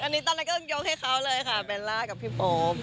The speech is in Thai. อันนี้ตอนแรกก็ยกให้เขาเลยค่ะเบลล่ากับพี่โป๊ป